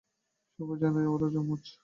সবাই জানে ওরা জমজ।